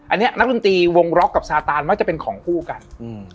อันนี้นักดนตรีวงร็อกกับซาตานมักจะเป็นของคู่กันอืม